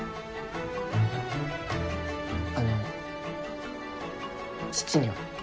あの父には。